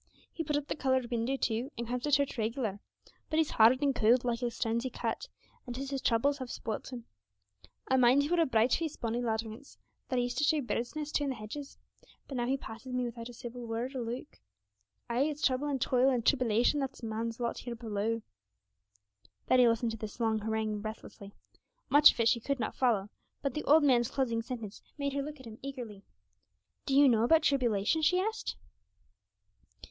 He put up the coloured window too, and comes to church reg'lar; but he's hard and cold, like the stones he cut, and 'tis his troubles have spoilt him. I mind he were a bright faced, bonny lad once, that I used to show birds' nests to in the hedges; but now he passes me wi'out a civil word or look. Ay, it's trouble and toil and tribbylation that is man's lot here below!' Betty listened to this long harangue breathlessly. Much of it she could not follow, but the old man's closing sentence made her look at him eagerly. 'Do you know about tribulation?' she asked.